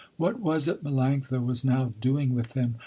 What was it Melanctha was now doing with him?